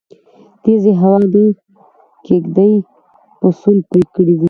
تيزې هوا د کيږدۍ پسول پرې کړی دی